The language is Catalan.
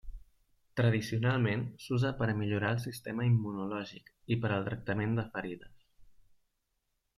Tradicionalment, s'usa per a millorar el sistema immunològic i per al tractament de ferides.